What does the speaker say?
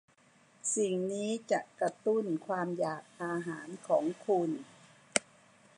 สิ่งนี้จะกระตุ้นความอยากอาหารของคุณ